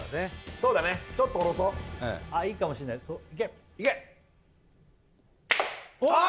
そうだねちょっと下ろそうあっいいかもしんないいけあっ